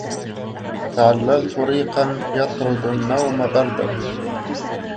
تعللت ريقا يطرد النوم برده